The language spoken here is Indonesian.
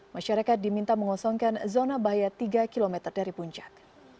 masyarakat diminta mengosongkan zona bahaya tiga km dari puncak